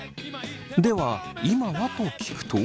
では「今は？」と聞くと。